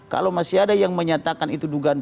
kalau masih ada yang menyatakan itu dugaan